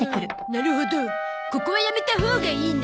なるほどここはやめたほうがいいね。